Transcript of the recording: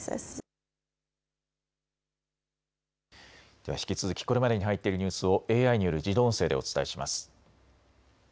では引き続きこれまでに入っているニュースをＡＩによる自動音声でお伝えします。